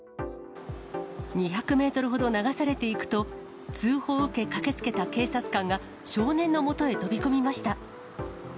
２００メートルほど流されていくと、通報を受け駆けつけた警察官が、少年のもとへ飛び込みました。